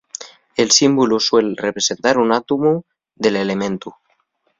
El símbolu suel representar un átomu del elementu.